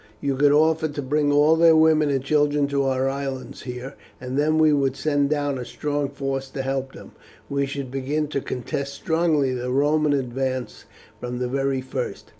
You could offer to bring all their women and children to our islands here, and then we would send down a strong force to help them. We should begin to contest strongly the Roman advance from the very first."